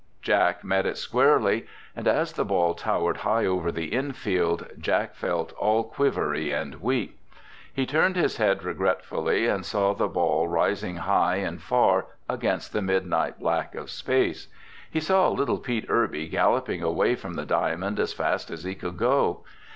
Jack met it squarely and as the ball towered high over the infield, Jack felt all quivery and weak. He turned his head regretfully and saw the ball rising high and far against the midnight black of space. He saw little Pete Irby galloping away from the diamond as fast as he could go.